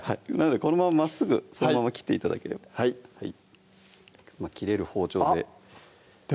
このまままっすぐそのまま切って頂ければ切れる包丁であっ！